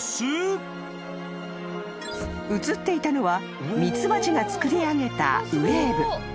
［映っていたのはミツバチが作り上げたウエーブ］